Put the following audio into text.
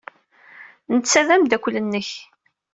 Netta d ameddakel-nnek.